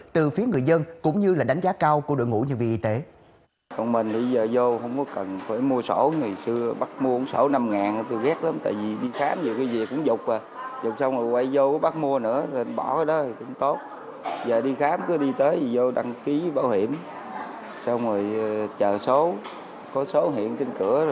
từ phía người dân cũng như là đánh giá cao của đội ngũ nhân viên y tế